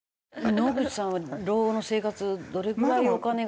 野口さんは老後の生活どれぐらいお金が。